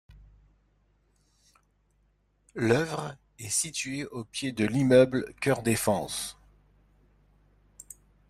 L'œuvre est située au pied de l'immeuble Cœur Défense.